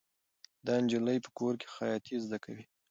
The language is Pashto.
دا نجلۍ په کور کې خیاطي زده کوي.